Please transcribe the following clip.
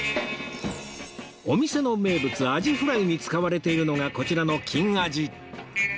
お店の名物アジフライに使われているのがこちらの金アジ